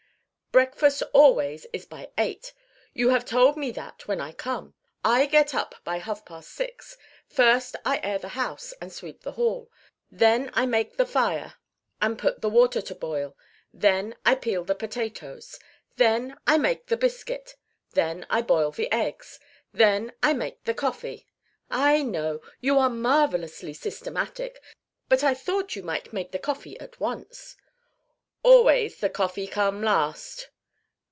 "Breakfast always is by eight. You have told me that when I come. I get up by half past six. First I air the house, and sweep the hall. Then I make the fire and put the water to boil. Then I peel the potatoes. Then I make the biscuit. Then I boil the eggs. Then I make the coffee " "I know. You are marvellously systematic. But I thought you might make the coffee at once." "Always the coffee come last."